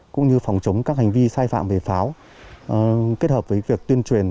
cũng như phòng chống các hành vi sai phạm về pháo kết hợp với việc tuyên truyền